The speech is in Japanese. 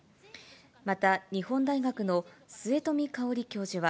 また日本大学の末冨芳教授は、